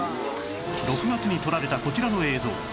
６月に撮られたこちらの映像